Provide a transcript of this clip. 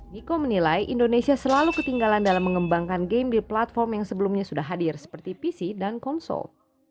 niko menilai indonesia selalu ketinggalan dalam mengembangkan game di platform yang sebelumnya sudah hadir seperti pc dan konsol